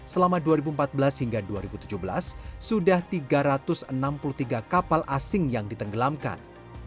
selama dua ribu empat belas hingga dua ribu tujuh belas sudah tiga ratus enam puluh tiga kapal asing yang ditenggelamkan